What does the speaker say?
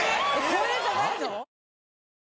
これじゃないの？